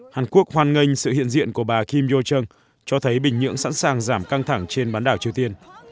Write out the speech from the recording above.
hàn quốc hoan nghênh sự hiện diện của bà kim youchen cho thấy bình nhưỡng sẵn sàng giảm căng thẳng trên bán đảo triều tiên